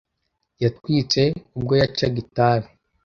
Yatwitse ubwo yacaga itabi.